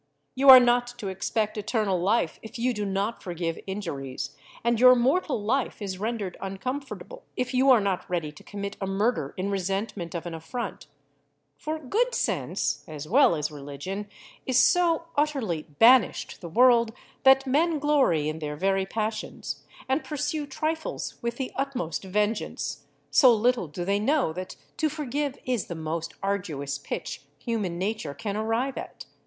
You are not to expect eternal life if you do not forgive injuries, and your mortal life is rendered uncomfortable if you are not ready to commit a murder in resentment of an affront; for good sense, as well as religion, is so utterly banished the world, that men glory in their very passions, and pursue trifles with the utmost vengeance, so little do they know that to forgive is the most arduous pitch human nature can arrive at.